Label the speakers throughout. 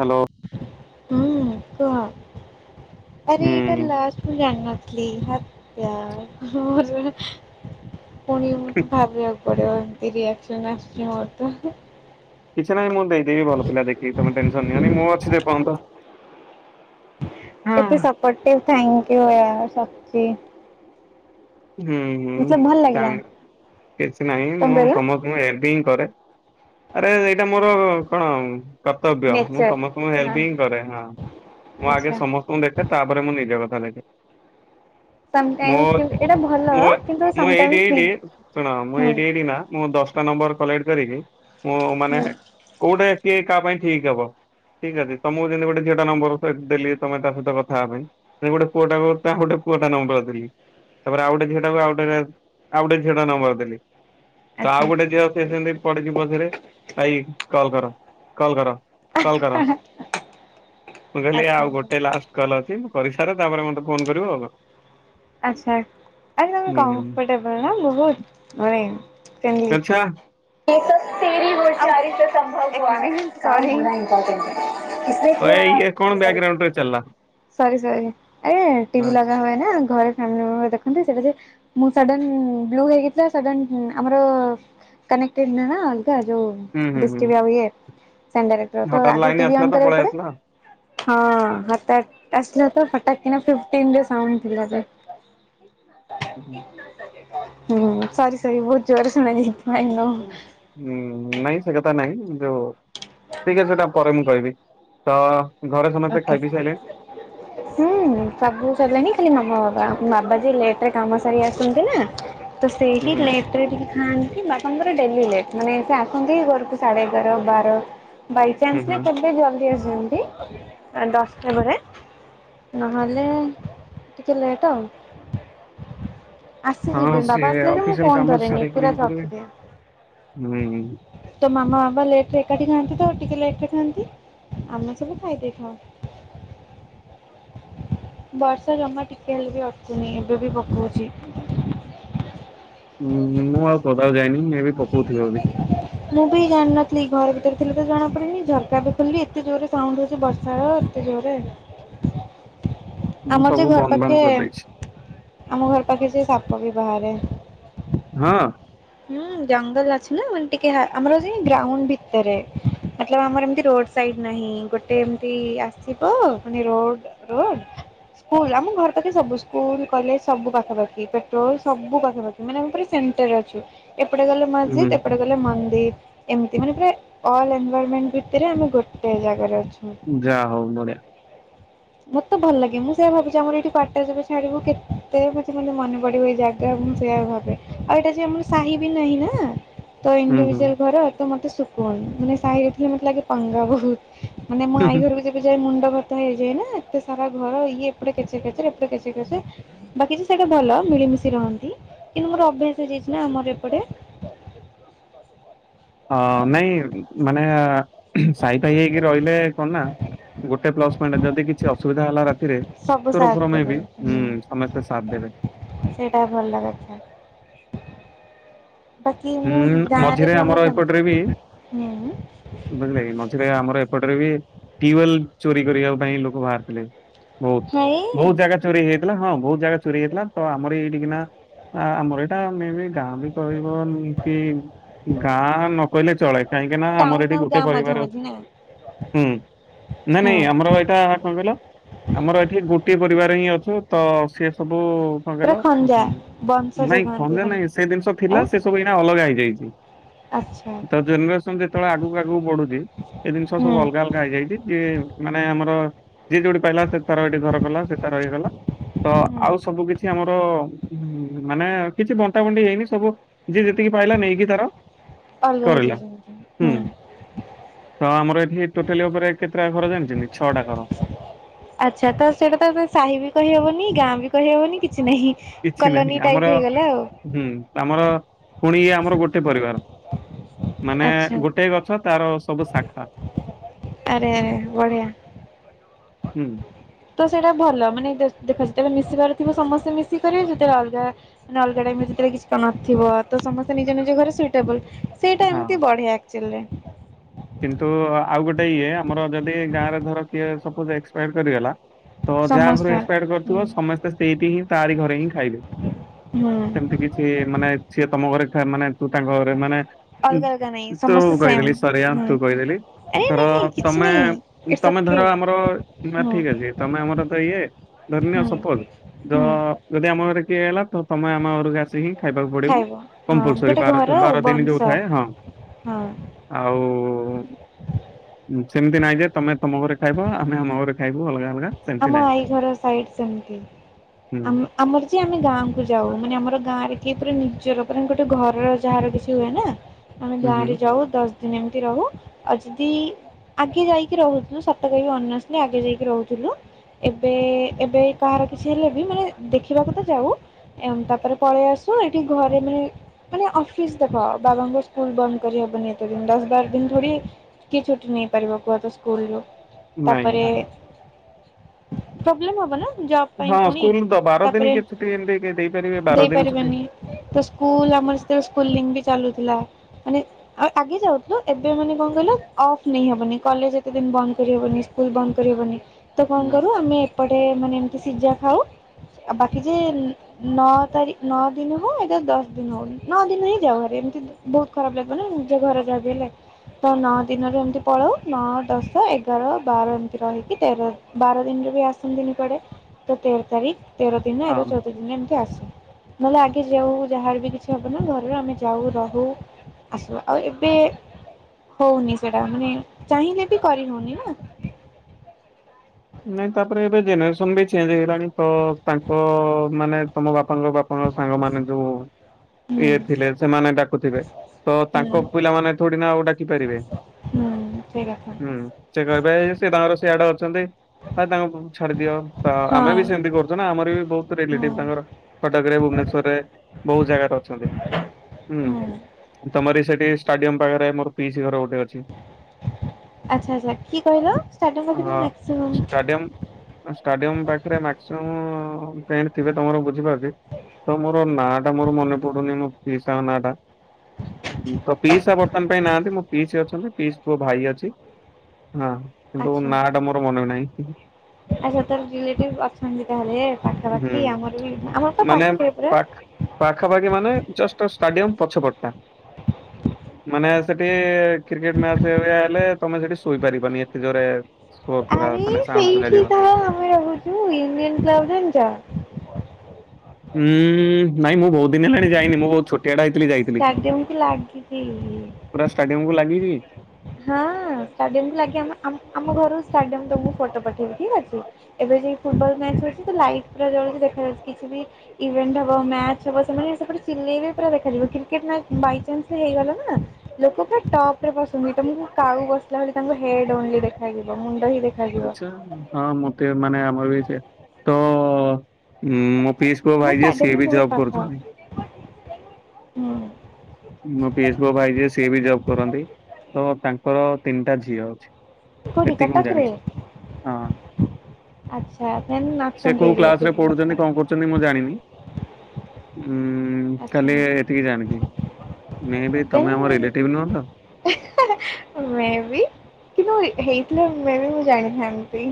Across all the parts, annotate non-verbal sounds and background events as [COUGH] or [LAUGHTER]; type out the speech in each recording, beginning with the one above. Speaker 1: Hello.
Speaker 2: ହୁଁ କୁହ ଆରେ
Speaker 1: ହୁଁ
Speaker 2: ଏଇଟା ଲାଷ୍ଟ ମୁଁ ଜାନିନଥି ଖିଲି ହତ୍ୟା ମରୁ ପୁଣି ମତେ ଭାବିବାକୁ ତୋର ଏମତି ରିଆକସନ ଆସଛି ମୋର ତ।
Speaker 1: କିଛି ନାହିଁ ମୁଁ ଦେଇଦେବି ଭଲ ପିଲା ଦେଖିକି ତମେ ଟେନସନ ନିଅନି ମୁଁ ଅଛି ଯେ ପର୍ଯ୍ୟନ୍ତ।
Speaker 2: ଏତେ ସପୋଟିଭ ଥ୍ୟାଙ୍କୁ ୟାର ସଚି।
Speaker 1: ହୁଁ ହୁଁ
Speaker 2: ମତଲବ ଭଲ ଲାଗିଲା।
Speaker 1: ଥାନକ କିଛି ନାହିଁ
Speaker 2: କଣ
Speaker 1: ମୁଁ
Speaker 2: କହିଲ?
Speaker 1: ସମସ୍ତଙ୍କୁ ଏଡି କରେ ଆରେ ଏଇଟା ମୋର କଣ। କର୍ତ୍ତବ୍ୟ ମୁଁ
Speaker 2: ନେଚର
Speaker 1: ସମସ୍ତଙ୍କୁ ମୁଁ
Speaker 2: ହଁ
Speaker 1: ହେଲ୍ପ ହିଁ କରେ ହଁ। ମୁଁ ଆଗେ
Speaker 2: ଆଚ୍ଛା।
Speaker 1: ସମସ୍ତଙ୍କୁ ଦେଖେ ତାପରେ ମୁଁ ନିଜ କଥା ଦେଖେ। ମୋ
Speaker 2: ସମଟାଇମ୍ସ। ଏଇଟା ଭଲ
Speaker 1: ମୁଁ
Speaker 2: କିନ୍ତୁ
Speaker 1: ମୁଁ ଏଇଠି
Speaker 2: ସମଟାଇମ୍ସ ବି
Speaker 1: ଏଇଠି ଶୁଣ ମୁଁ
Speaker 2: ହୁଁ
Speaker 1: ଏଇଠି ଏଇଠି ନା ମୁଁ ଦଶ ଟା ନମ୍ବର କଲେକ୍ଟ କରିକି ମୁଁ ମାନେ
Speaker 2: ହୁଁ
Speaker 1: କୋଉଟେ କିଏ କାହା ପାଇଁ ଠିକ ହବ। ଠିକ୍ ଅଛି ତମକୁ ଯେମତି ଗୋଟେ ଝିଅଟା ନମ୍ବର ଦେଲି ତମେ ତା ସହିତ କଥା ହବା ପାଇଁ ସେମିତି ଗୋଟେ ପୁଅଟାକୁ ତାହୁ ଟା ପୁଆଟା ନମ୍ବର ଦେଲି ତାପରେ ଆଉ ଗଟେ ଝିଅଟା ଆ ଆଉ ଗଟେ ଝିଅଟା ନମ୍ବର ଦେଲି। ଆଉ
Speaker 2: ଆଚ୍ଛା
Speaker 1: ଗୋଟେ ଝିଅ ସେ ସେମିତି ପଡଛି ପଛରେ ଭାଇ କଲ କର କଲ କର। କଲ କର ମୁଁ କହିଲି
Speaker 2: ଆଚ୍ଛା
Speaker 1: ଆଉ
Speaker 2: ଆଚ୍ଛା
Speaker 1: ଗୋଟେ ଲାଷ୍ଟ କଲ ଅଛି। କରିସାରେ ତାପରେ ମତେ ଫୋନ କରିବ ଆଉ।
Speaker 2: ଆଚ୍ଛା ଆ
Speaker 1: ହୁଁ
Speaker 2: କମ୍ଫର୍ଟେବଲ ନା ବହୁତ ମାନେ [UNINTELLIGIBLE] [UNINTELLIGIBLE]
Speaker 1: ଆଚ୍ଛା ଇଏ କଣ ବ୍ୟାକଗ୍ରାଉଣ୍ଡ ରେ ଚାଲିଲା?
Speaker 2: ସରି ସରି ଆରେ ଟିଭି ଲଗା ହୁଏ ନା। [UNINTELLIGIBLE] ମୁ ସଡନ ବ୍ଲୁ ହେଇଗଲା ସଡନ ଆମର କନେକ୍ଟେଡ ନ ନା ଅଲଗା ଯଉ
Speaker 1: ହୁଁ ହୁଁ
Speaker 2: ଡିଶ
Speaker 1: ହୁଁ
Speaker 2: ଟିବି ଆଉ ଇଏ ଆ ଡାଇରେକ୍ଟ ତ
Speaker 1: ହଠାତ୍
Speaker 2: ଆଗ
Speaker 1: ଲାଇନ
Speaker 2: ଟିଭି
Speaker 1: ଆସିଲା
Speaker 2: ଅନ
Speaker 1: ତ
Speaker 2: କରିବାକୁ
Speaker 1: ପଳେଇ ଆସିଲା।
Speaker 2: ପଡେ। ହଁ ହଟାତ୍ ଆସିଲା ତ ହଟାତ୍ କିନା ଫିଫ୍ଟିନ୍ ରେ ସାଉଣ୍ଡ ଥିଲା ଯେ ହୁଁ ସରି ସରି ବହୁତ ଜୋର ସୁଣାଯାଇ
Speaker 1: ହ ନହି ସେକତା ନାହିଁ ଯଉ ଠିକ୍ ଅଛି ସେଟା ପରେ ମୁଁ କହିବି ତ ଘରେ ସମସ୍ତେ ଖାଇ ପିଇ ସାଇଲେଣି?
Speaker 2: ହୁଁ ସବୁ ସରିଲାଣି ଖାଲି ମାମ ବାବା ଓକେ। ବାବାଜୀ ଲେଟ୍ରେ କାମ ସାରି ଆସନ୍ତି ନା ତ ସେ
Speaker 1: ହୁଁ
Speaker 2: ହିଁ
Speaker 1: ହୁଁ
Speaker 2: ଲେଟ୍ରେ ଟିକେ ଖାଆନ୍ତି। ବାପାଙ୍କର ଡେଲି ଲେଟ ମାନେ ସେ ଆସନ୍ତି ଘରକୁ ସାଢେ ଏଗାର ବାର
Speaker 1: ହୁଁ
Speaker 2: ବାଇଚନ୍ସ ରେ
Speaker 1: ହୁଁ
Speaker 2: କେବେ ଜଲଦି ଆସନ୍ତି। ଦଶଟା ବେଳେ ନହଲେ ଟିକେ ଲେଟ ଆଉ।
Speaker 1: ହଁ
Speaker 2: ଆସିଯିବି
Speaker 1: ସେ
Speaker 2: ବାବା ଆସିଲେ ଯେ ମୁଁ
Speaker 1: ଅଫିସିଆଲ
Speaker 2: କଣ
Speaker 1: କାମ
Speaker 2: ଧରେନି
Speaker 1: ସାରିକିରି
Speaker 2: ପୁରା ତ
Speaker 1: ଭିତରେ
Speaker 2: ରଖିଦିଏ।
Speaker 1: ହୁଁ।
Speaker 2: ବା ଲେଟ ରେ ଏକାଠି ଖଆନ୍ତି ତ ଟିକେ ଲେଟରେ ଖାଆନ୍ତି ଆମେ ସବୁ ଖାଇଦେଇୁ। ହଁ। ବର୍ଷା ଜମା ଟିକେ ହେଲେ ବି ଅଟକୁନି, ଏବେ ବି ପକଉଛି।
Speaker 1: ଉଁ ମୁଁ ଆଉ ପଦାକୁ ଯାଇନି ଏବେ ପକଉଥିବେ ବୋଧେ।
Speaker 2: ମୁଁ ବି ଜାଣିନଥିଲି ଘର ଥିଲେ ତ ଜଣାପଡନି ଝରକା ବି ଖୋଲିଲି ଏତେ ଜୋରରେ ସାଉଣ୍ଡ ହୋ ଏ ବର୍ଷା ର ଏତେ ଜୋରେ ହେଲା।
Speaker 1: ମୁଁ
Speaker 2: ଆମର ଯେ
Speaker 1: ସବୁ
Speaker 2: ଘର
Speaker 1: ବନ୍ଦ
Speaker 2: ପାଖେ
Speaker 1: ବାନ୍ଦ କରିଦେଇଛି।
Speaker 2: ଆମ ଘର ପାଖେ ଯେ ସାପ ବି ବାହାରେ।
Speaker 1: ହଁ।
Speaker 2: ହୁଁ ଜଙ୍ଗଲ ଅଛି ନା ମାନେ ଟିକେ ଆମର ମତଲବ୍ ଆମର ଏମତି ରୋଡ ସାଇଡ ନାହିଁ ଗୋଟେ ଏମତି ଆସିବ ମାନେ ରୋଡ଼ ରୋଡ୍। ସ୍କୁଲ ଆମ ଘର ପାଖେ ସବୁ ସ୍କୁଲ କଲେଜ ସବୁ ପାଖପାଖି ପେଟ୍ରୋଲ ସବୁ ପାଖପାଖି ମାନେ ଆମ ସେଣ୍ଟର୍ ରେ ଅଛୁ ଏପଟେ ଗଲେ
Speaker 1: ହୁଁ
Speaker 2: ମସ୍ଜିଦ୍ ଏପଟେ ଗଲେ ମନ୍ଦିର। ଏମତି ମାନେ ଅଲଏନ୍ ଭାରମେଣ୍ଟ ଭିତରେ ଆମେ ଗୋଟେ ଜାଗାରେ ଅଛୁ।
Speaker 1: ଯା ହଉ ମ
Speaker 2: ମତେ ଭଲ ଲାଗେ ମୁଁ ସେଇଆ ଭାବୁଛିି ଆମର ଏଇଠି କ୍ୱାଟର ଯୁ ଛାଡିବୁ କେତେ ମେ ମତେ ମନେ ପଡିବ ଏଇ ଜାଗା। ମୁଁ ସେଇଆ ଭାବେ ଆଉ ଏଇଟା ଯେ ଆମର ସାହି ବି ନାହିଁ ନା ତ
Speaker 1: ହୁଁ
Speaker 2: ଇଣ୍ଡିଭିଜୁଆଲ୍
Speaker 1: ହୁଁ।
Speaker 2: ଘର। ମତେ ଶକୁନ୍ ମାନେ ସାହିରେ ଥିଲେ ମତେ ଲାଗେ ପଙ୍ଗା ବହୁତ ମାନେ ମୁ ଆଈ ଘରକୁ ଯେବେ ଯାଏ ମୁଣ୍ଡ ଘର ତାହା ହେଇଯାଇଏ ନା ଏତେ ସାରା ଘର ଇଏ ଏପଟେ କେଚେକେଚେର ଏପଟେ କେଚେ କଚର ବାକିଛି ସେଇଟା ଭଲ। ମିଳି ମିଶି ରହନ୍ତି କିନ୍ତୁ ମୋର ଅଭ୍ୟାସ ହେଇଯାଇଛି ନା ଅମର ଏପଟେ।
Speaker 1: ଅ ନାଇଁ ମାନେ ସାଇ ଫାହି ହେଇକି ରହିଲେ କଣ ନା? ଗୋଟେ ପ୍ଲସ ପଏଣ୍ଟ ଯଦି କିଛି ଅସୁବିଧା ହେଲା ରାତିରେ
Speaker 2: ସବୁ
Speaker 1: ଚୋରା
Speaker 2: ସାହାଯ୍ୟ
Speaker 1: ଫୋର ମେ ବି
Speaker 2: କରେ
Speaker 1: ହୁଁ ସମସ୍ତେ ସାଥ ଦେବେ।
Speaker 2: ସେଇଟା ଭଲ କଥା। ବାକି ମୁଁ
Speaker 1: ହୁଁ
Speaker 2: ଗାଁରେ
Speaker 1: ମଝିରେ
Speaker 2: ବି
Speaker 1: ଆମର
Speaker 2: ସେମିତି
Speaker 1: ଏପଟରେ ବି
Speaker 2: ହୁଁ
Speaker 1: ବୁଝିଲେ କି ମଝରେ ଆମର ଏପଟରେ ବି ଟ୍ୟୁବଲ ଚୋରି କରିବା ପାଇଁ ଲୋକ ବାହାରିଥିଲେ ବହୁତ
Speaker 2: ହେଇ
Speaker 1: ବହୁତ ଜାଗା ଚୋରି ହେଇଯାଇଥି ଲା ହଁ ବହୁତ ଜାଗା ଚୋରି ହେଇଥିଲା ତ ଆମର ଏଇଠିକିନା ଆମର ଏଇଟା ମେ ବି ଗାଁ ବି କହିବ। ଇମ୍ତି ଗାଁ ନ କହିଲେ ଚଳେ କାହିଁକି ନା ଆମର
Speaker 2: ଟାଉନ
Speaker 1: ଏଠି
Speaker 2: ଆଉ
Speaker 1: ଗୋଟେ
Speaker 2: ଗାଁ ମଝା
Speaker 1: ପରିବାର ଅ
Speaker 2: ମଝି ନା
Speaker 1: ହୁଁ ନାଇ
Speaker 2: ହଁ
Speaker 1: ନାଇଁ ଆମର ଏଇଟା କଣ କହିଲ ଆମର ଏଠି ଗୋଟିଏ ପରିବାର ହିଁ ଅଛି। ତ ସିଏ ସବୁ କଣ କହିଲ
Speaker 2: ପୁରା ଖଞ୍ଜା ବଂଶଜ
Speaker 1: ନାଇଁ
Speaker 2: କହନ୍ତି
Speaker 1: ଖଞ୍ଜା
Speaker 2: ମାନେ
Speaker 1: ନାଇଁ ସେ ଜିନିଷ ଥିଲା
Speaker 2: ଆଉ
Speaker 1: ସବୁ ଏଇନା ଅଲଗା ହେଇଯାଇଚି
Speaker 2: ଆଚ୍ଛା
Speaker 1: ତ ଜେନେରେସନ୍ ଯେତେବେଳେ ଆଗକୁ ଆଗକୁ ବଢୁଚି। ଏ ଜିନିଷ ସବୁ
Speaker 2: ହୁଁ
Speaker 1: ଅଲଗା ଅଲଗା ହେଇଯାଇଛି, ଯ ମାନେ ଆମର ଯିଏ ଯୋଉଠି ପାଇଲା ସେ ତାର ଏଠି ଘର କଲା ସେ ତାର ଇଏ କଲା। ତ
Speaker 2: ହୁଁ
Speaker 1: ଆଉ ସବୁ କିଛି ଆମର ମାନେ କିଛି ବଣ୍ଟା ବଣ୍ଟି ହେଇନି ସବୁ ଯିଏ ଯେତିକି ପାଇଲା ନେଇକି ତାର
Speaker 2: ଅଲଗା
Speaker 1: କରିଲା,
Speaker 2: ହେଇଯାଇଛନ୍ତି
Speaker 1: ହୁଁ ତ ଆମର ଏଠି ଟୋଟାଲି ଉପରେ କେତେଟା ଘର ଜାଣିଛନ୍ତ ଛଅଟା ଘର।
Speaker 2: ଆଚ୍ଛା ତ ସେଇଟା ତ ସାହି ବି କହିହେବନି ଗାଁ ବି କହିହେବନି କି ସିନାହିଁ
Speaker 1: କିଛି ନାହିଁ
Speaker 2: କଲୋନୀ
Speaker 1: ଆମର
Speaker 2: ଟାଇପ୍ ହେଇଗଲା ଆଉ।
Speaker 1: ହୁଁ ଆମର ପୁଣି ଆମର ଗୋଟେ ପରିବାର ମାନେ
Speaker 2: ଆଚ୍ଛା
Speaker 1: ଗୋଟେ ଗଛ ତାର ସବୁ ଶାଖା।
Speaker 2: ଆରେଆରେ ବଢିଆ।
Speaker 1: ହୁଁ।
Speaker 2: ତ ସେଇଟା ଭଲ ମାନେ ଦେଖ ଯେତେବେଳେ ମିଶିବାର ଥିବ ସମସ୍ତେ ମିଶିକ କରିବେ ଯେତେବେଳେ ଅଲଗା ମାନେ ଅଲଗାଟ ଏମିତି କେବେ କିଛି ତ ନଥିବ ତ ସମସ୍ତେ ନିଜ ନିଜ ଘରେ ସୁଇଟେବଲ୍ ସେଇଟା
Speaker 1: ହଁ।
Speaker 2: ଏମତି ବଢିଆ ଆକ୍ଚୁଲି।
Speaker 1: କିନ୍ତୁ ଆଉ ଗୋଟେ ଇଏ ଆମର ଯଦି ଗାଁ ରେ ଧର କିଏ ସପୋଜ୍ ଏକ୍ସପାର୍ କରିଗଲା ତ ଯାହା ଘରୁ ଏକ୍ସପାୟାର୍
Speaker 2: ସମସ୍ତଙ୍କର
Speaker 1: କରିଥିବ
Speaker 2: ହୁଁ
Speaker 1: ସମସ୍ତେ ସେଇଠି ହିଁ ତାରି ଘରେ ହିଁ ଖାଇବେ।
Speaker 2: ହୁଁ
Speaker 1: ସେମ୍ତି କିଛି ମାନେ ସିଏ ତମ ଘରେ ଥା ମାନେ ତୁ ତାଙ୍କ ଘରେ ମାନେ
Speaker 2: ଅଲଗା ଅଲଗା ନାଇଁ
Speaker 1: ତ
Speaker 2: ସମସ୍ତେ
Speaker 1: ଉଗାଇ
Speaker 2: ସେମ୍
Speaker 1: ଦେଲେ ସାରିଆ
Speaker 2: ହୁଁ
Speaker 1: କହିଦେଲି
Speaker 2: ଆରେ
Speaker 1: ଧର
Speaker 2: ନାଇଁ ନାଇଁ କିଛି
Speaker 1: ତମେ
Speaker 2: ନାଇଁ ଇଟ୍ସ
Speaker 1: ତମେ
Speaker 2: ଓକେ
Speaker 1: ଧର ଆମର
Speaker 2: ହୁଁ
Speaker 1: ଠିକ୍ ଅଛି ତମେ ଆମର ତ କିଏ ଧରିନିଅ
Speaker 2: ହୁଁ
Speaker 1: ସପୋଜ୍ ଯ
Speaker 2: ହୁଁ
Speaker 1: ଯଦି ଆମ ଘରେ କିଏ ହେଲା ତ ତମେ ଆମ ଘରକୁ ଆସିକି ଖାଇବାକୁ ପଡିବ
Speaker 2: ଖାଇବ ହଁ
Speaker 1: କମ୍ପଲ୍ସରି
Speaker 2: ଗୋଟେ
Speaker 1: ବା
Speaker 2: ଘର ଆଉ
Speaker 1: ବାର ଦିନ ଯୋଉ
Speaker 2: ବଂଶ
Speaker 1: ଥାଏ ହଁ।
Speaker 2: ହଁ
Speaker 1: ଆଉ ସେମିତି ନାଇଁ ଯେ ତମେ ତମ ଘରେ ଖାଇବ ଆମେ ଆମ ଘରେ ଖାଇବୁ ଅଲଗା ଅଲଗା। ସେମିତି
Speaker 2: ଆମ
Speaker 1: ନାଇଁ।
Speaker 2: ଆଈ ଘର ସାଇଡ୍ ସେମ୍ତି।
Speaker 1: ହୁଁ
Speaker 2: ଆମର ଯେ ଆମେ ଗାଁକୁ ଯାଉ ମାନେ ଆମର ଗାଁରେ କିଏ ପୁରା ନିଜର ପୁରା ଗୋଟେ ଘରର ଯାହାର କିଛି ହୁଏ ନା ଆମେ
Speaker 1: ହୁଁ
Speaker 2: ଗାଁ
Speaker 1: ହୁଁ
Speaker 2: ରେ ଯାଉ ଦଶ୍ ସେମ୍ ଏମତି ରହୁ ଆଉ ଯଦି ଆଗେ ଯାଇକି ରହୁଥିଲୁ ସତ କହିବି ଅନେସ୍ଲି ଆଗେ ଯାଇକି ରହୁଥୁଲୁ। ଏବେ ଏବେ କାହାର କିଛି ହେଲେ ବି ମାନେ ଦେଖିବାକୁ ତ ଯାଉ ଏମ୍ ତାପରେ ପଳେଇବା ଆ ଶୁଣ୍ ଏଠି ଘରେ ନୁହେଁ ମାନେ ଅଫିସ୍ ଦେଖ ବାବାଙ୍କ ସ୍କୁଲ୍ ବନ୍ଦ୍ କରିହବନି ଏତେ ଦିନ ଦଶ୍ ବାର୍ ଦିନ୍ ଧରି କି ଛୁଟି ନେଇ ପାରିବା କୁହତ ସ୍କୁଲ ରୁ
Speaker 1: ନାଇଁ
Speaker 2: ତାପରେ ପ୍ରବ୍ଲେମ ହବ ନା ଜବ୍ ପାଇଁ
Speaker 1: ହଁ
Speaker 2: ପୁଣି
Speaker 1: ସ୍କୁଲ ତ ବାର ଦିନ
Speaker 2: ତାପରେ
Speaker 1: କି ଛୁଟି ଏମିତି ଦେଇପାରିବେ ବାର ଦିନ ଛୁଟି
Speaker 2: ଦେଇପାରିବେନି ତ ସ୍କୁଲା ଆମର ସେତେବେଳେ ସ୍କୁଲିଂ ବି ଚାଲୁଥିଲା। ମାନେ ଆ ଆଗେ ଯାଉଥିଲୁ। ଏବେ ମାନେ କଣ୍ କହିଲ ଅଫ୍ ନେଇହବନି କଲେଜ ଏତେ ଦିନ ବନ୍ଦ କରିହବନି। ମିସ୍କୁଲ ବନ୍ଦ କରି ହବନି। ତ କଣ୍
Speaker 1: ନା
Speaker 2: କରୁ ଆମେ ଏପୋଟେ ମିନେ ଏମିତି ସିଝା ଖାଉ ଆ ବାକି ଯେ ନଅ ତାରିଖ୍ ନଅ ଦିନ ହଉ ଏଟା ଦଶ ଦିନ ହଉ ନଅ ଦିନ ରେ ହିଁ ଯାଉ ହେରି କିନ୍ତୁ ବହୁତ ଖରାପ୍ ଲାଗିବ ନା ନିଜ ଘରେ ଯା ବି ହେଲେ। ତ ନଅ ଦିନରେ ଏମିତି ପଳଉ ନଅ, ଦଶ, ଏଗାର ବାର ଏମିତି ରହିକି ତେର ବାର ଦିନରେ ବି ଆସନ୍ତିନି କୁଆଡେ ତ ତେର ତାରିଖ୍ ତେର ଦିନ ଏ
Speaker 1: ହଁ।
Speaker 2: ଚଉଦ ଦିନ ଏମିତି ଆସୁ। ମୁଁ ଲାଗି ଯାଉ ଯାହାର ବି କିଛି ହବ ନା ଘରରୁ ଆମେ ଯାଉ ରହୁ ଆସୁ ଆଉ ଏବେ ହୋଉନି ସେଟା ମାନେ ଚାହିଁଲେ ବି କରି ହଉନି ନା
Speaker 1: ନାଇଁ ତାପରେ ଏବେ ଜେନେରେସନ୍ ବି ଚେଞ୍ଜ୍ ହେଇଗଲାଣି ତ ତାଙ୍କ ମାନେ ତମ ବାପାଙ୍କ ବାପା ଆଉ ସାଙ୍ଗମାନେ ଯୋଉ
Speaker 2: ହୁଁ
Speaker 1: ଇଏ ଥିଲେ ସେମାନେ ଡାକୁଥିବେ ତ
Speaker 2: ହୁଁ
Speaker 1: ତାଙ୍କ ପିଲାମାନେ ଥୋଡିନା ଆଉ ଡାକି ପାରିବେ।
Speaker 2: ହୁଁ ସେଇ କଥା
Speaker 1: ହୁଁ ସେ କହିବେ ସେ ତାଙ୍କର ସେଆଡେ ଅଛନ୍ତି। ଆଉ ତାଙ୍କୁ ଛାଡିଦିଅ ତ ଆମେ ବି
Speaker 2: ହଁ
Speaker 1: ସେମିତି କରୁଛୁ ନା ଆମର ବି ବହୁତ
Speaker 2: ହୁଁ
Speaker 1: ରିଲେଟିଫ୍ ତାଙ୍କର କଟକରେ ଭୁବନେଶ୍ୱରରେ ବହୁତ ଜାଗାରେ ଅଛନ୍ତି।
Speaker 2: ହୁଁ
Speaker 1: ହୁଁ ତମରି ସେଠି ଷ୍ଟାଡିୟମ ପାଖରେ ମୋର ପିସି ଘର ଗୋଟେ ଅଛି।
Speaker 2: ଆଛା ଆଛା କି କହିଲ ଷ୍ଟାଡିୟମ ପାଖରେ
Speaker 1: ହଁ
Speaker 2: ମାକ୍ସ୍
Speaker 1: ଷ୍ଟାଡିୟମ ଷ୍ଟାଡିୟମ ପାଖରେ ମାକ୍ସିମମ୍ ଫ୍ରେଣ୍ଡ୍ ଥିବେ ତମର ବୁଛିପାରୁଛ ରି ତ ମୋର ନାଁ ଟା ମୋର ମନେ ପଡୁନି ମ ପିସାଙ୍କ ନା ଟା ହୁଁ ତ ପିସା ବର୍ତ୍ତମାନ ପାଇଁ ନାହାନ୍ତି ମୋ ପିସି ଅଛନ୍ତି ପିସି ମୋ ଭାଇ ଅଛି। ହଁ କିନ୍ତୁ
Speaker 2: ଆଚ୍ଛା।
Speaker 1: ନା ଟା ମୋର ମନେ ନାହିଁ।
Speaker 2: ଆଚ୍ଛା ତାର ରିଲେଟିଭ ଅଛନ୍ତି ତାହେଲେ ଏ
Speaker 1: ହୁଁ
Speaker 2: ପାଖାପାଖି ଆମର ବି ଆମର ତ
Speaker 1: ମାନେ
Speaker 2: ପାଖେରେ ପୁରା।
Speaker 1: ପାଖ ପାଖାପାଖି ମାନେ ଜଷ୍ଟ ଅ ଷ୍ଟାଡିୟମ ପଛପଟଟା। ମାନେ ସେଠି କ୍ରିକେଟ ମ୍ୟାଚ୍ ହେଲେ ତମେ ସେଠି ଶୋଇପାରିବନି ଏତେ ଜୋରେ ସୋପୁରା।
Speaker 2: ଏଇଠି ତ ଆମେ ରହୁଛୁ ଇମେନ୍ କ୍ଲବ ଜାଣିଛ?
Speaker 1: ହୁଁ ନାଇଁ ମୁଁ ବହୁତ ଦିନ ହେଲାଣି ଯାଇନି ମୁଁ ବହୁତ ଛୋଟିଆଟା ହେ ଥିଲି ଯାଇଥିଲି
Speaker 2: ଷ୍ଟାଡିୟମକୁ ଲାଗିକି।
Speaker 1: ପୁରା ଷ୍ଟାଡିୟମକୁ ଲାଗିକି
Speaker 2: ହଁ ଷ୍ଟାଡିୟମ ଲାଗି ଆମ-ଆମ-ଆମ ଘରରୁ ଷ୍ଟାଡିୟମ ତ ମୁଁ ଫଟୋ ପଠେଇବି ଠିକ୍ ଅଛି ଏବେ ଏବେ ଫୁଟ୍ ବଲ୍ ମେଚ୍ ହଉଚି ତ ଲାଇଟ ପୁରା ଜଳୁଛି ଦେଖାଯାଉଛି କିଛି ବି ଇଭେଣ୍ଟ ହବ ମ୍ୟାଚ ହବ ସେମାନେ ସେପଟେ ସିଲେଇରେ ପୁରା ଦେଖାଯିବ କ୍ରିକେଟ ନା ମେଚ୍ ବାଇଚାନ୍ସ ହେଇଗଲା ନା ଲୋକ ପୁରା ଟପରେ ବସନ୍ତି। ତମକୁ କାଉ ବସିଲା ଭଳି ତାଙ୍କୁ ହେଡ୍ ଓନ୍ଲି ଦେଖାଯିବ ମୁଣ୍ଡ ଦେଖ୍
Speaker 1: ଆଛା ହଁ ମତେ ମାନେ ଆମର ବି ସେ ତ ହୁଁ ମ ପିସ୍ ପୁଅ
Speaker 2: ମୁଁ
Speaker 1: ଭାଇ ସିଏ
Speaker 2: ଷ୍ଟାଡିୟମରୁ
Speaker 1: ବି
Speaker 2: ବହୁତ
Speaker 1: ଜବ୍
Speaker 2: ପାଖ
Speaker 1: କରୁଛନ୍ତି।
Speaker 2: ହୁଁ।
Speaker 1: ମୋ ପିସ୍ ପୁଅ ଭାଇ ଯେ ସିଏ ବି ଜବ୍ କରନ୍ତ। ତ ତାଙ୍କର ତିନିଟା ଝିଅ ଅଛି।
Speaker 2: କୋଉଠି
Speaker 1: ଏତିକି ମୁଁ
Speaker 2: କଟକରେ?
Speaker 1: ଜାଣିଛି ହଁ।
Speaker 2: ଆଚ୍ଛା ଦେନ୍
Speaker 1: ସେ
Speaker 2: ଅଛନ୍ତି
Speaker 1: କୋଉ କ୍ଲାସରେ
Speaker 2: ରିଲେଟିଭ୍ ବହୁତ
Speaker 1: ପଢ଼ୁଛନ୍ତି
Speaker 2: ସାରା
Speaker 1: କଣ କରୁଛନ୍ତି ମୁଁ ଜାଣିନି। ହୁଁ
Speaker 2: ଆଚ୍ଛା
Speaker 1: ଖାଲି ଏତିକି ଜାଣିଛି। ମେ ବି ତମେ ଆମର
Speaker 2: ଦେନ୍
Speaker 1: ରିିଲେଟିଭ୍ ନୁହତ?
Speaker 2: ସେ ହେଇଥିଲେ ମେବି ମୁଁ ଜାଣିଥାନ୍ତି।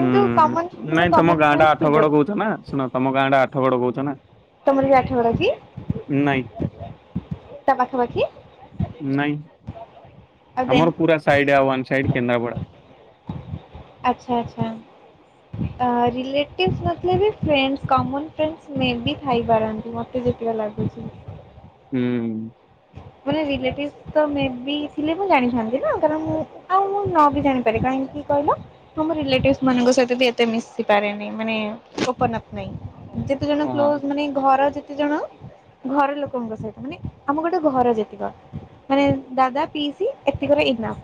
Speaker 1: ହୁଁ
Speaker 2: କମନ ମାନେ
Speaker 1: ନାଇଁ ତମ
Speaker 2: କମନ
Speaker 1: ଗାଁଟା
Speaker 2: ଫ୍ରେଣ୍ଡସ୍ ଥିବେ
Speaker 1: ଆଠଗଡ କହୁଛ ନା ଶୁଣ ତମ ଗାଁ ଟା ଆଠଗଡ କହୁଛ ନା
Speaker 2: ତମର ବି ଆଠଗଡ କି?
Speaker 1: ନାଇଁ
Speaker 2: ତା ପାଖାପାଖି
Speaker 1: ନାଇଁ
Speaker 2: ଆଉ ଦେନ୍
Speaker 1: ଆମର ପୁରା ସାଇଡ୍ ଆ ୱାନ୍ ସାଇଡ କେନ୍ଦ୍ରାପଡା।
Speaker 2: ଆଚ୍ଛା ଆଚ୍ଛା। ଆ ରେଲେଟିଭ୍ ନଥିଲେ ବି ଫ୍ରେଣ୍ଡସ୍ କମନ୍ ଫ୍ରେଣ୍ଡସ୍ ମେ ବି ଥାଇପାରନ୍ତି ମତେ ଯେତିକି [UNINTELLIGIBLE] ଲାଗୁଚି।
Speaker 1: ହୁଁ।
Speaker 2: ମାନେ ରିଲେଟିଭ୍ ତ ମେ ବି ଥିଲେ ମୁଁ ଜାଣିଥାନ୍ତି ନା କାରଣ ମୁଁ ଆଉ ମୁଁ ନ ବି ଜାଣିପାରେ କାହିଁକି କହିଲ ଆମ ରିଲେଟିଭସ୍ ମାନଙ୍କ ସହିତ ବି ଏତେ ମିଶି ପାରେନି ମାନେ ଓପନ୍ ଅପ୍ ନାଇଁ। ଯେତେ ଜଣ କ୍ଲୋଜ
Speaker 1: ହଁ।
Speaker 2: ମାନେ ଘର ଯେତେ ଜଣ ଘର ଲୋକଙ୍କ ସହିତ ମାନେ ଆମ ଗୋଟେ ଘର ଯେତିକ ମାନେ ଦାଦା ପିଇସି ଏତିକରେ ଏନଫ୍।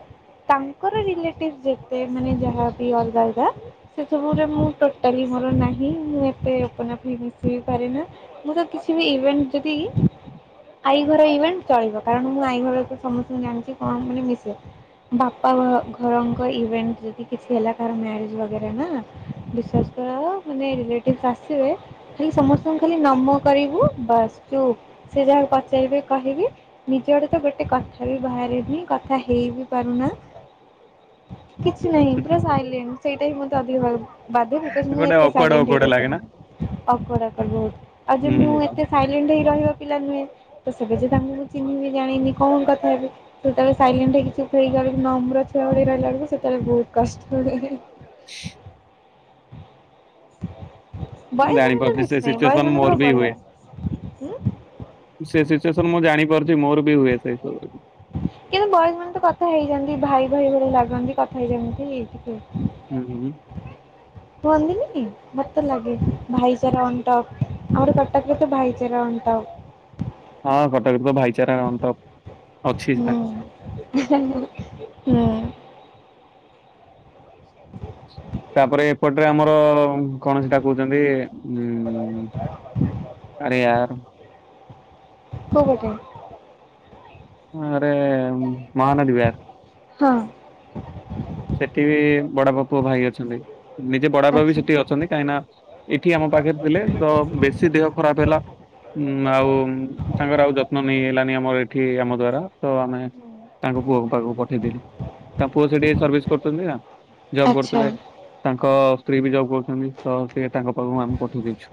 Speaker 2: ତାଙ୍କର ରିଲେଟିଭ ଯେତେ ମାନେ ଯାହାବି ଅଲଗା ଅଲଗା ସେ ସବୁରେ ମୁଁ ଟୋଟାଲି ମୋର ନାହିଁ ମୁଁ ଏତେ ଓପନଆପ୍ ହେଇ ମିଶି ପାରେନା ମୁଁ ତ କିଛି ବି ଇଭେଣ୍ଟ ଯଦି ଆଈ ଘର ଇଭେଣ୍ଟ ଚଳିବ କାରଣ ମୁଁ ଆଈ ଘର ସମସ୍ତଙ୍କୁ ଜାଣିଛି କଣ ମାନେ ମିଶେ ବାପା ଘର ଘରଙ୍କ ଇଭେଣ୍ଟ ଯଦି କିଛି ହେଲା କାହାର ମ୍ୟାରେଜ ବଗେରା ନା ବିଶ୍ୱାସ୍ [UNINTELLIGIBLE] ମାନେ ଆସିବେ ଖାଲି ସମସ୍ତଙ୍କୁ ଖାଲି ନମ କରିବୁ ବାସ୍ ଚୁପ୍ ସେ ଯାହା ପଚାରିବେ କହିବି। ନିଜ ଆଡୁ ତ ଗୋଟେ କଥା ବି ବାହାରେନି କଥା ହେଇ ବି ପାରୁନା। କିଛି ନାହିଁ ପୁରା ସାଇଲେଣ୍ଟ୍ ସେଇଟା ହିଁ ମୋତେ ଅଧିକ ବାଧେ ବିକଜ୍ ମୁଁ
Speaker 1: ଗୋଟେ
Speaker 2: ଏତେ
Speaker 1: ଅକୁଆଡ
Speaker 2: ସାଇଣ୍ଟ ହେଇ
Speaker 1: ଅକୁଆଡ ଲାଗେ ନା
Speaker 2: ରହିପାରେନି। [UNINTELLIGIBLE] ବହୁତ ଆଉ ଯେ
Speaker 1: ହୁଁ
Speaker 2: ମୁଁ ଏତେ ସାଇଲେଣ୍ଟ ହେଇ ରହିବ ପିଲା ନୁହେଁ ତ ସେବେ ଯେ ତାଙ୍କୁ ଚିହ୍ନିନି ଜାଣିନି କଣ କଥା ହେବି ସେତେବେଳେ ସାଇଲେଣ୍ଟ ହେଇକି ଚୁପ୍ ହେଇକି ନମ୍ର ଛୁଆ ରହିଲା ଭଳିଆ ବହୁତ କଷ୍ଟ ହୁଏ।
Speaker 1: ମୁଁ
Speaker 2: ବଏଜ ମାନଙ୍କର
Speaker 1: ଜାଣିପାରୁଚି
Speaker 2: କିଛି
Speaker 1: ସେ
Speaker 2: ନାହିଁ ବଏଜ
Speaker 1: ସିଚୁଏସନ୍
Speaker 2: ମାନଙ୍କର
Speaker 1: ମୋର ବି
Speaker 2: ବଢିଆ।
Speaker 1: ହୁଏ।
Speaker 2: ହୁଁ
Speaker 1: ସେ ସିଚୁଏସନ୍ ମୁଁ ଜାଣିପାରୁଚି ମୋର ବି ହୁଏ ସେଇ ସବୁ
Speaker 2: କିନ୍ତୁ ବୟଜ୍ ମାନେ ତ କଥା ହେଇଯାନ୍ତି ଭାଇ ଭାଇ ଭଳିଆ ଲାଗନ୍ତି କଥା ହେଇଯାନ୍ତି ଟିକେ
Speaker 1: ଉଁ ହୁଁ।
Speaker 2: ହୁଅନ୍ତି ନି କି ମୋତେ ଲାଗେ ଭାଇଚାରା ଅନ୍ ଟପ୍। ଆମର କଟକରେ ତ ଭାଇଚାରା ଅନ ଟପ୍।
Speaker 1: ହଁ କଟକରେ ତ ଭାଇଚାରା ଅନ୍ ଟପ୍।
Speaker 2: ହୁଁ ହୁଁ।
Speaker 1: ତାପରେ ଏପଟରେ ଆମର କଣ ସେଟା କହୁଚନ୍ତି ଉଁ ଆରେ ୟାର୍
Speaker 2: କୋଉ କଥା
Speaker 1: ହ ଆରେ ମହାନଦୀବିହାର୍
Speaker 2: ହଁ।
Speaker 1: ସେଠି ବି ବଡବାପା ପୁଅ ଭାଇ ଅଛନ୍ତି ନିଜେ ବଡ ବାପା ବି
Speaker 2: ଆଚ୍ଛା।
Speaker 1: ସେଠି ଅଛନ୍ତି କାହିଁକିନା ଏଠି ଆମ ପାଖରେ ଥିଲେ ତ ବେଶୀ ଦେହ ଖରାପ ହେଲା ଉଁ ଆଉ ତାଙ୍କର ଆଉ ଯତ୍ନ ନେଇ ହେଲାନି ଆମର ଏଠି ଆମ ଦ୍ଵାରା ତ ଆମେ ତାଙ୍କ ପୁଅକୁ ପାଖକୁ ପଠେଇଲୁ ତାଙ୍କ ପୁଅ ସେଠି ସର୍ଭିସ୍ କରୁଛନ୍ତି ନା ଜବ୍
Speaker 2: ଆଚ୍ଛା
Speaker 1: କରୁଥିଲେ ତାଙ୍କ ସ୍ତ୍ରୀ ବି ଜବ୍ କରୁ ତ ସେ ତାଙ୍କ ପାଖକୁ ଆମେ ପଠେଇ ଦେଇଛୁ।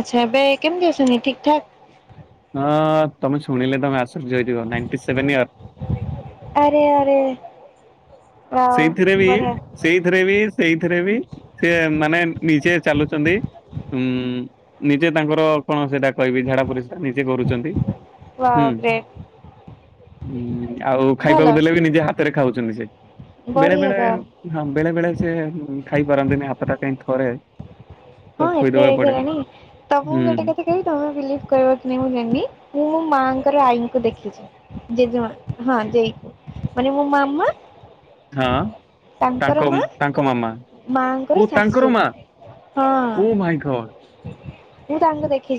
Speaker 2: ଆଚ୍ଛା ଏବେ କେମତି ଅଛନ୍ତି ଠିକ୍ ଠାକ୍
Speaker 1: ହଁ ତମେ ଶୁଣିଲେ ତମେ ଆଶ୍ଚର୍ଯ୍ୟ ହେଇଯିବ ନାଇଁଟୀ ସେଭେନ୍ ଇଅର
Speaker 2: ଆରେ ଆରେ। ୱାଓ
Speaker 1: ସେଇଥିରେ ବି
Speaker 2: ବଢିଆ
Speaker 1: ସେଇଥିରେ ବି ସେଇଥିରେ ବି ସେ, ମାନେ ନିଜେ ଚାଲୁଛନ୍ତି। ଉୁଁ, ନିଜେ ତାଙ୍କର କଣ ସେଇଟା? କହିବି ଝାଡା ପୋରିସ୍ରା ନିଜେ କରୁଛନ୍ତି।
Speaker 2: ୱାଓ
Speaker 1: ହୁଁ!
Speaker 2: ଗ୍ରେଟ୍
Speaker 1: ହୁଁ, ଆଉ
Speaker 2: ଭଲ।
Speaker 1: ଖାଇବାକୁ ଦେଲେ ବି ନିଜେ ହାତରେ ଖାଉଛନ୍ତି ସେ। ବେଳେ
Speaker 2: ବଢିଆ
Speaker 1: ବେଳେ
Speaker 2: ତ
Speaker 1: ହଁ, ବେଳେ ବେଳେ ସେ ଖାଇ ପାରନ୍ତିନି, ହାତଟା କାହିଁ ଥରେ।
Speaker 2: ହଁ
Speaker 1: ତ
Speaker 2: ଏଜ୍
Speaker 1: ଖୋଇଦବାକୁ ପଡେ।
Speaker 2: ହେଲାଣି, ତମକୁ
Speaker 1: ହୁଁ
Speaker 2: ଗୋଟେ କଥା କହିବି, ତମେ ବିଲିଭ କରିବ କି ନାହିଁ ମୁଁ ଜାଣିନି ମୋ ମାଙ୍କର ଆଈଙ୍କୁ ଦେଖିଛି, ଜେଜେମା ହଁ ଜେଇ ମାନେ ମୋ ମାମା,
Speaker 1: ହଁ,
Speaker 2: ତାଙ୍କର
Speaker 1: ତାଙ୍କ
Speaker 2: ମା
Speaker 1: ତାଙ୍କ ମାମା
Speaker 2: ମାଆଙ୍କର
Speaker 1: ଓ
Speaker 2: ଶାଶୁ
Speaker 1: ତାଙ୍କର ମା!
Speaker 2: ହଁ
Speaker 1: ଓ ଭାଇ ଗଡ଼!
Speaker 2: ମୁଁ ତାଙ୍କୁ ଦେଖିଛି।